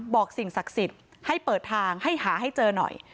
สิ่งศักดิ์สิทธิ์ให้เปิดทางให้หาให้เจอหน่อย